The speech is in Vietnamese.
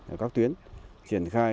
ở các tuyến triển khai